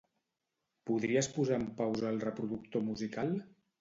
Podries posar en pausa el reproductor musical?